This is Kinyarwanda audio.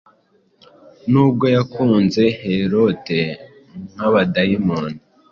Nubwo yakunze Heorot nkabadayimoni